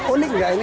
unik gak ini